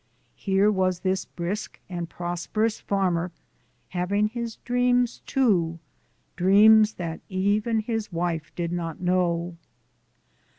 Here was this brisk and prosperous farmer having his dreams too dreams that even his wife did not know!